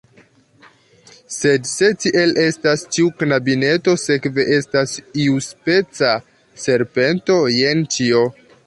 "Sed, se tiel estas, ĉiu knabineto sekve estas iuspeca serpento. Jen ĉio!"